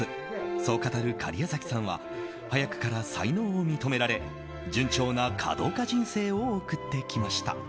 そう語る假屋崎さんは早くから才能を認められ順調な華道家人生を送ってきました。